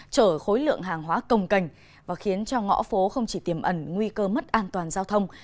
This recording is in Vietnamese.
chở khối lượng hàng hóa cồng cành và khiến cho ngõ phố không chỉ tiềm ẩn nguy cơ mất an toàn giao thông